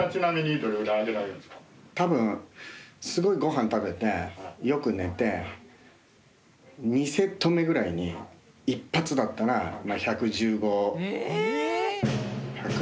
多分すごい御飯食べてよく寝て２セット目ぐらいに一発だったら１１５。え！